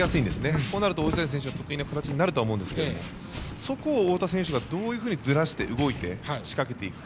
そうなると、王子谷選手の得意な形になると思うんですがそこを太田選手がどういうふうにずらして、動いて仕掛けていくか。